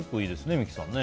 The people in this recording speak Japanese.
三木さん。